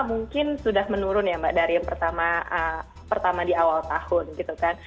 mungkin sudah menurun ya mbak dari yang pertama di awal tahun gitu kan